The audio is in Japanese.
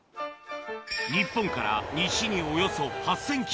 日本から西におよそ８０００ｋｍ